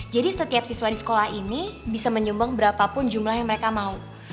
jadi setiap siswa di sekolah ini bisa menyumbang berapapun jumlah yang mereka mau